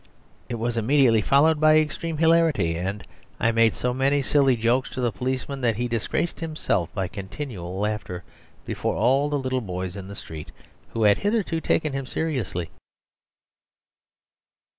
It was immediately followed by extreme hilarity, and I made so many silly jokes to the policeman that he disgraced himself by continual laughter before all the little boys in the street, who had hitherto taken him seriously.